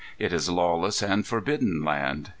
It is lawless and forbidden land.